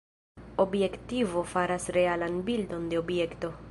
Objektivo faras realan bildon de objekto.